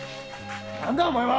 何だお前は！